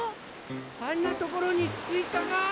あんなところにすいかが！